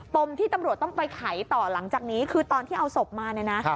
มที่ตำรวจต้องไปไขต่อหลังจากนี้คือตอนที่เอาศพมาเนี่ยนะ